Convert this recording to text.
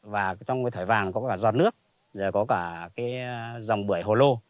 và trong cái thẻ vàng có cả giọt nước rồi có cả cái dòng bưởi hồ lô